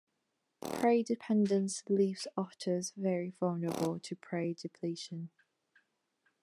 Prey-dependence leaves otters very vulnerable to prey depletion.